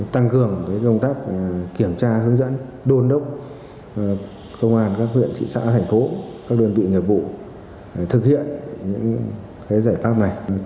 tăng cường công tác kiểm tra hướng dẫn đôn đốc công an các huyện thị xã thành phố các đơn vị nghiệp vụ thực hiện những giải pháp này